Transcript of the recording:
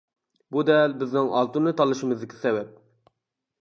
بۇ دەل بىزنىڭ ئالتۇننى تاللىشىمىزدىكى سەۋەب.